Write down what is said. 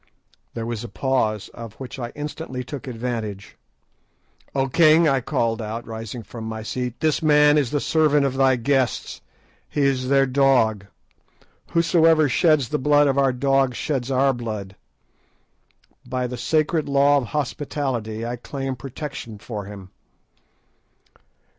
There was a pause, of which I instantly took advantage. "O king," I called out, rising from my seat, "this man is the servant of thy guests, he is their dog; whosoever sheds the blood of our dog sheds our blood. By the sacred law of hospitality I claim protection for him."